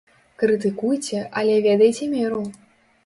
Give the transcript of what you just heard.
Крытыкуйце, але ведайце меру!